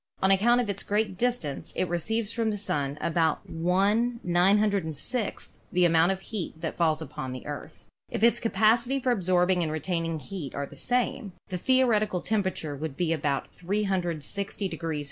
On account of its great distance it receives from the Sun about V 906 the amount of heat that falls upon the Earth. If its capacity for absorbing and retaining heat are the same, the theoretical temperature would be about 360 F.